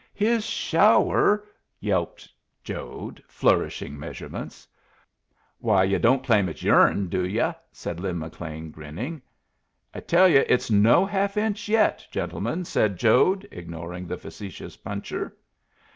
"His shower!" yelped Jode, flourishing measurements. "Why, yu' don't claim it's yourn, do yu'?" said Lin McLean, grinning. "I tell you it's no half inch yet, gentlemen," said Jode, ignoring the facetious puncher.